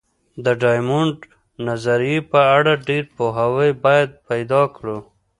د ډایمونډ نظریې په اړه ډېر پوهاوی باید پیدا کړو.